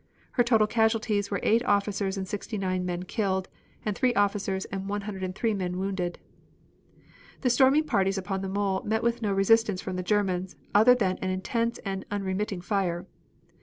Her total casualties were eight officers and sixty nine men killed, and three officers and 103 men wounded. The storming parties upon the mole met with no resistance from the Germans other than an intense and unremitting fire.